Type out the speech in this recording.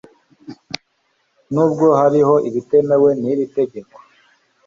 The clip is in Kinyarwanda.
nubwo hariho ibitemewe niri tegeko .